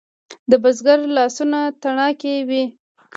د بزګر لاسونه تڼاکې وي.